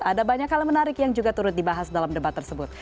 ada banyak hal menarik yang juga turut dibahas dalam debat tersebut